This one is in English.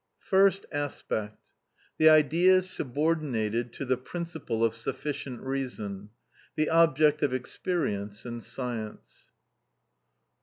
First Aspect. The Idea Subordinated To The Principle Of Sufficient Reason: The Object Of Experience And Science.